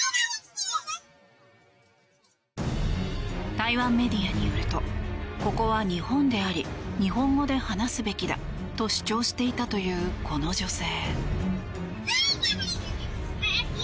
台湾メディアによるとここは日本であり日本語で話すべきだと主張していたという、この女性。